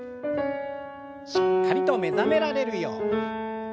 しっかりと目覚められるように。